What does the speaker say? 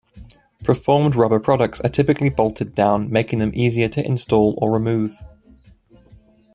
Preformed rubber products are typically bolted down, making them easier to install or remove.